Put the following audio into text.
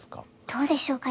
どうでしょうか